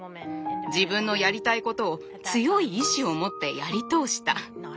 自分のやりたいことを強い意志を持ってやり通した。